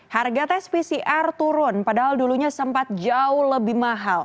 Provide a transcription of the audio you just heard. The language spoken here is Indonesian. harga tes pcr turun padahal dulunya sempat jauh lebih mahal